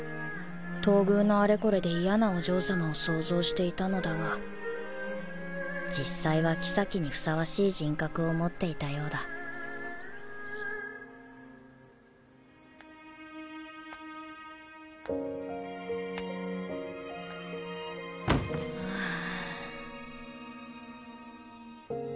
東宮のあれこれで嫌なお嬢さまを想像していたのだが実際は妃にふさわしい人格を持っていたようだハァ。